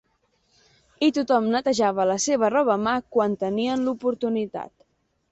I tothom netejava la seva roba a mà quan tenien l'oportunitat.